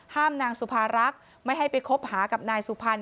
นางสุภารักษ์ไม่ให้ไปคบหากับนายสุพรรณ